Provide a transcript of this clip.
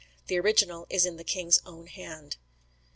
The original is in the king's own hand.